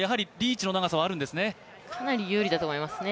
かなり有利だと思いますね。